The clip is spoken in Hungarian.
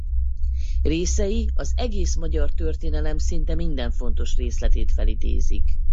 Részei az egész magyar történelem szinte minden fontos részletét felidézik.